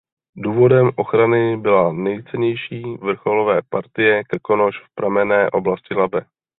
Důvodem ochrany byla nejcennější vrcholové partie Krkonoš v pramenné oblasti Labe.